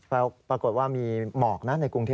แล้วปรากฏว่ามีหมอกในกรุงเทศ